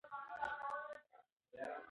د بدن نسواري وازګې د تودوخې تولید زیاتوي.